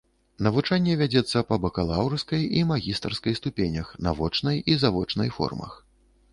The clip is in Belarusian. Навучанне вядзецца па бакалаўрскай і магістарскай ступенях, на вочнай і завочнай формах.